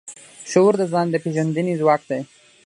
شعور د ځان د پېژندنې ځواک دی.